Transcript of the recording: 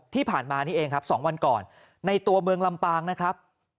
ที่ผ่านมานี่เองครับ๒วันก่อนในตัวเมืองลำปางนะครับ